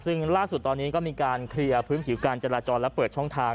ซึ่งล่าสุดตอนนี้ก็มีการเคลียร์พื้นผิวการจราจรและเปิดช่องทาง